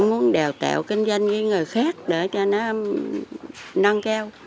muốn đào tạo kinh doanh với người khác để cho nó nâng cao